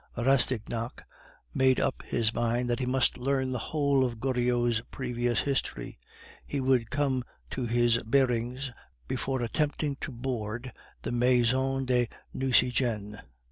Rastignac made up his mind that he must learn the whole of Goriot's previous history; he would come to his bearings before attempting to board the Maison de Nucingen.